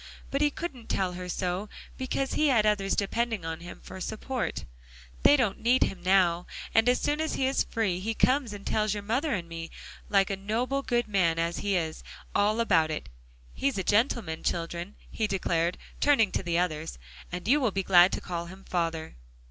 But he couldn't tell her so, because he had others depending on him for support. They don't need him now, and as soon as he is free, he comes and tells your mother and me, like a noble good man as he is, all about it. He's a gentleman, children," he declared, turning to the others, "and you will be glad to call him father."